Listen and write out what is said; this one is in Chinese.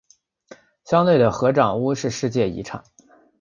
乡内的合掌屋是世界遗产。